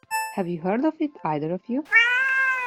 Have you heard of it, either of you?